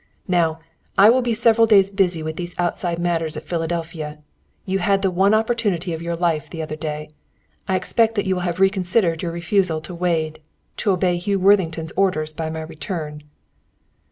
"Now, I will be several days busy with these outside matters at Philadelphia. You had the one opportunity of your life the other day. "I expect that you will have reconsidered your refusal to Wade, to obey Hugh Worthington's orders by my return."